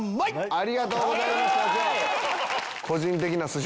ありがとうございます社長！